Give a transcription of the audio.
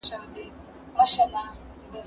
زه پرون واښه راوړم وم!؟